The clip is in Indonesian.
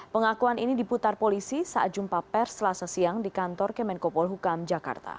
pengakuan ini diputar polisi saat jumpa pers selasa siang di kantor kemenkopol hukam jakarta